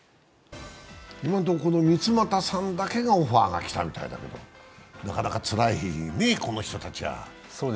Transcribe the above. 今のところ、この三ツ俣さんだけがオファーが来たわけだけどなかなかつらいね、この人たちは。